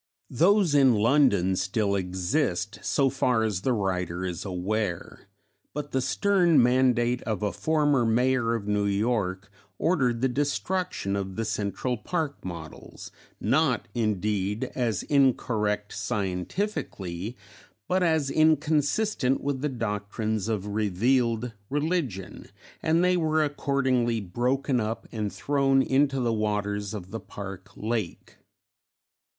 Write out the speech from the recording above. Those in London still exist, so far as the writer is aware, but the stern mandate of a former mayor of New York ordered the destruction of the Central Park models, not indeed as incorrect scientifically, but as inconsistent with the doctrines of revealed religion, and they were accordingly broken up and thrown into the waters of the Park lake.